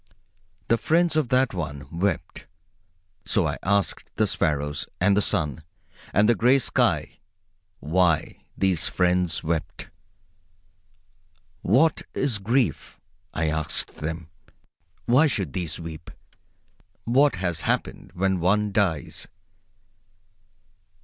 The friends of that one wept. So I asked the sparrows, and the sun, and the gray sky why these friends wept. What is grief? I asked of them. Why should these weep? What has happened when one dies?